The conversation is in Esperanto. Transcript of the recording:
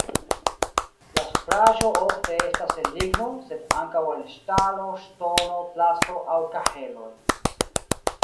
La supraĵo ofte estas el ligno, sed ankaŭ el ŝtalo, ŝtono, plasto aŭ kaheloj.